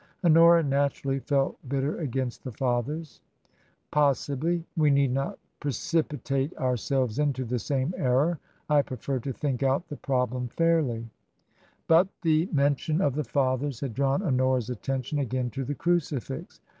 Honora naturally felt bitter against the Fathers. "Possibly. We need not precipitate ourselves into the same error. I prefer to think out the problem feirly." TRANSITION. 87 But the mention of the Fathers had drawn Honora'a attention again to the crucifix.